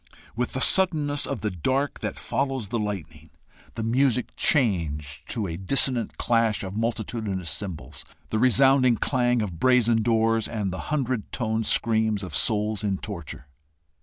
With the suddenness of the dark that follows the lightning, the music changed to a dissonant clash of multitudinous cymbals, the resounding clang of brazen doors, and the hundred toned screams of souls in torture.